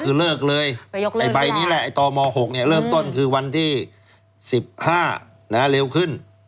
คือเลิกเลยไอ้ใบนี้แหละไอ้ตม๖เริ่มต้นคือวันที่๑๕เร็วขึ้น